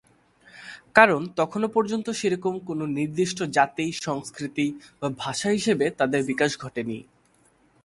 কারণ তখনও পর্যন্ত সেরকম কোনও নির্দিষ্ট জাতি, সংস্কৃতি বা ভাষা হিসেবে তাদের বিকাশ ঘটেনি।